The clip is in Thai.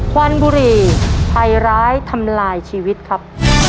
วันบุหรี่ภัยร้ายทำลายชีวิตครับ